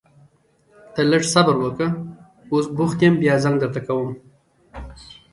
ته لږ صبر وکړه، اوس بوخت يم بيا زنګ درته کوم.